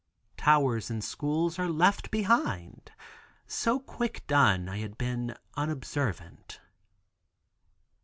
Tower and schools are left behind, so quick done I had been unobservant.